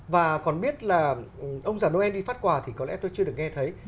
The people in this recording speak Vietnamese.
và còn biết là ông già noel đi phát quà thì có lẽ tôi chưa được nghe thấy